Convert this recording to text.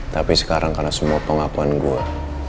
tapi sekarang karena semua pengakuan gue